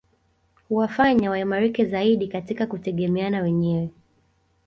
Huwafanya waimarike zaidi katika kutegemeana wenyewe